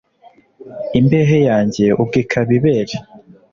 imbehe yanjye ubwo ikaba ibere.